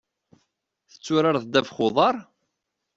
Tetturareḍ ddabex n uḍar?